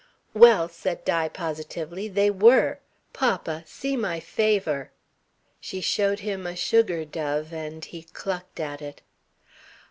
"Well," said Di positively, "they were. Papa, see my favour." She showed him a sugar dove, and he clucked at it.